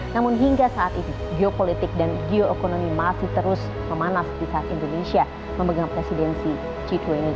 namun hingga saat ini geopolitik dan geoekonomi masih terus memanas di saat indonesia memegang presidensi g dua puluh